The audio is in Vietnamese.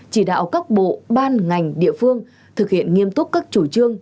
chỉ đạo các bộ ban ngành địa phương thực hiện nghiêm túc các chủ trương